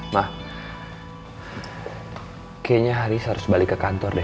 mah kayaknya haris harus balik ke kantor deh